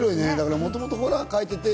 もともとホラー描いてて。